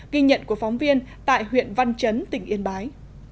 ghi nhận của phóng viên tại huyện văn chấn tỉnh yên bái